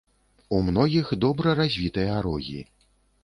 У многіх добра развітыя рогі.